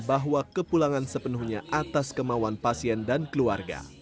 bahwa kepulangan sepenuhnya atas kemauan pasien dan keluarga